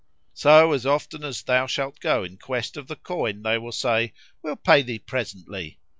So as often as though shalt go in quest of the coin they will say, 'We'll pay thee presently!'